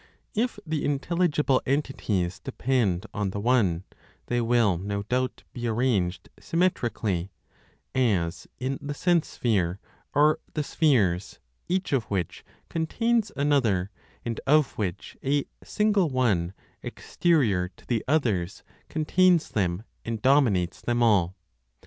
If the intelligible entities depend on the One, they will no doubt be arranged symmetrically, as, in the sense sphere, are the spheres, each of which contains another, and of which a single One, exterior to the others, contains them, and dominates them all.